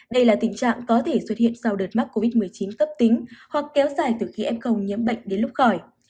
đây là tình trạng có thể xuất hiện sau đợt mắc covid một mươi chín cấp tính hoặc kéo dài từ khi mồ nhiễm bệnh đến lúc khỏi